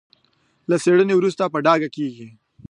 له څېړنې وروسته په ډاګه کېږي.